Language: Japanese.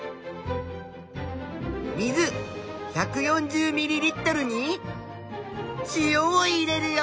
水１４０ミリリットルに塩を入れるよ！